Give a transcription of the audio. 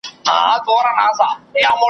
اولس د تاریخي ریښو